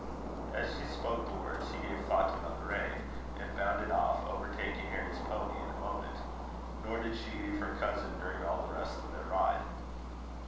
As she spoke the words, she gave Fatima the rein, and bounded off, overtaking Harry's pony in a moment. Nor did she leave her cousin during all the rest of their ride.